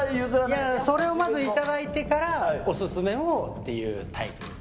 いや、それをまず頂いてから、お勧めをっていうタイプです。